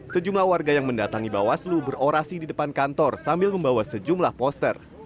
sejumlah warga yang mendatangi bawaslu berorasi di depan kantor sambil membawa sejumlah poster